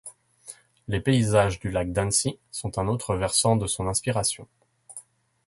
Les paysages du Lac d'Annecy sont un autre versant de son inspiration.